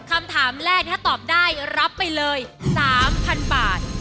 คำถามแรกถ้าตอบได้รับไปเลย๓๐๐๐บาท